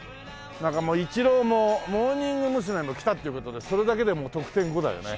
イチローもモーニング娘。も来たっていう事でそれだけでもう得点５だよね。